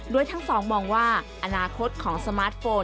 โดยทั้งสองมองว่าอนาคตของสมาร์ทโฟน